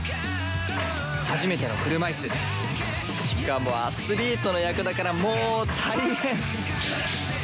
初めての車いすしかもアスリートの役だからもう大変！